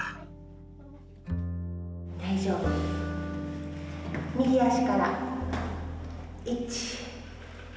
大丈夫右足から１。